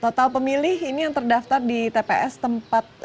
total pemilih ini yang terdaftar di tps tempat